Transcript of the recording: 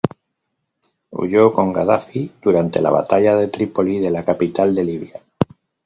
Huyó con Gadafi durante la Batalla de Trípoli, de la capital de Libia.